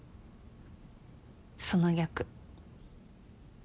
その逆。